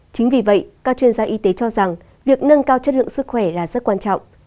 chính vì vậy các chuyên gia y tế cho rằng việc nâng cao chất lượng sức khỏe là rất quan trọng